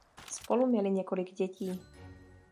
Spolu měli několik dětí.